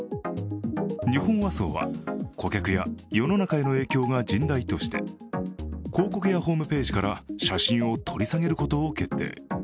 日本和装は顧客や世の中への影響が甚大として広告やホームページから写真を取り下げることを決定。